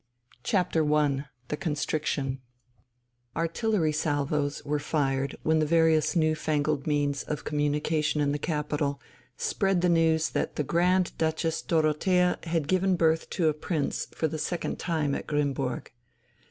I THE CONSTRICTION Artillery salvos were fired when the various new fangled means of communication in the capital spread the news that the Grand Duchess Dorothea had given birth to a prince for the second time at Grimmburg.